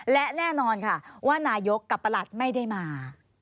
และแน่นอนค่ะว่านายกกับประหลัดไม่ได้มา